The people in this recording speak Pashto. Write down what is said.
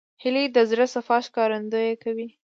هیلۍ د زړه صفا ښکارندویي کوي